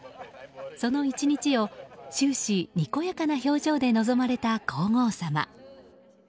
その１日を終始にこやかな表情で臨まれた皇后さま。